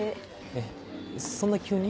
えそんな急に？